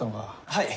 はい。